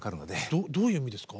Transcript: どういう意味ですか？